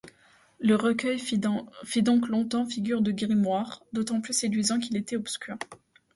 Le recueil fit donc longtemps figure de grimoire, d’autant plus séduisant qu’il était obscur.